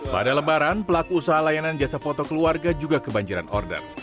pada lebaran pelaku usaha layanan jasa foto keluarga juga kebanjiran order